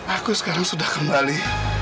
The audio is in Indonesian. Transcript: aku sekarang sudah kembali